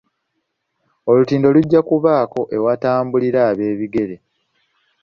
Olutindo lujja kubaako ewatambulira ab'ebigere.